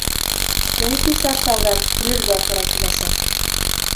Сөнки сарсауҙан үлергә тура киләсәк...